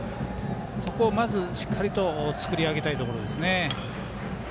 そこをまずしっかりと作り上げたいところですね。